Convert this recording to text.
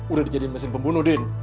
udah dijadiin mesin pembunuh den